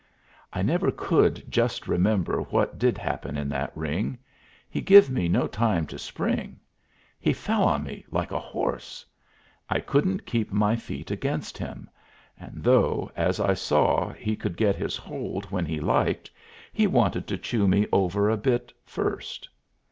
I never could just remember what did happen in that ring. He give me no time to spring. He fell on me like a horse. I couldn't keep my feet against him, and though, as I saw, he could get his hold when he liked, he wanted to chew me over a bit first.